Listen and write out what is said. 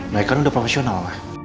mereka kan udah profesional